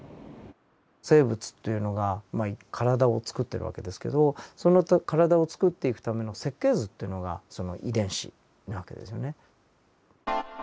生物というのがまあ体をつくってる訳ですけどその体をつくっていくための設計図というのがその遺伝子な訳ですよね。